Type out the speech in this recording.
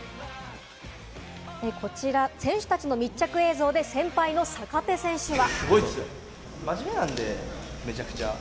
こちら選手たちの密着映像で先輩の坂手選手は。